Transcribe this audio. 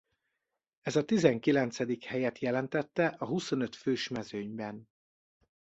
Ez a tizenkilencedik helyet jelentette a huszonöt fős mezőnyben.